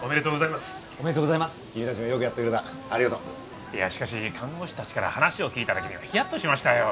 いやしかし看護師たちから話を聞いた時にはひやっとしましたよ。